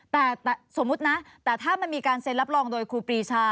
แต่สมมุตินะแต่ถ้ามันมีการเซ็นรับรองโดยครูปรีชา